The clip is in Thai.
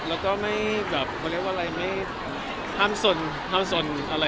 แล้วก็ไม่แบบไม่เรียกว่าอะไรห้ามสนอะไรนะครับ